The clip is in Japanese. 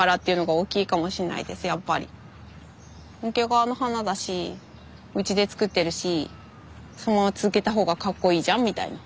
桶川の花だしうちで作ってるしそのまま続けた方がかっこいいじゃんみたいな。